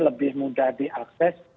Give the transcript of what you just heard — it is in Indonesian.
lebih mudah diakses